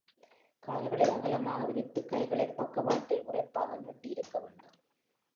கால்களை அகலமாக விரித்து, கைகளைப் பக்கவாட்டில் விறைப்பாக நீட்டியிருக்க வேண்டும்.